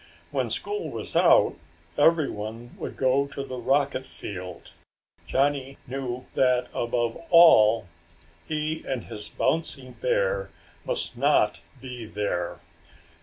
When school was out everyone would go to the rocket field. Johnny knew that above all, he and his bouncing bear must not be there!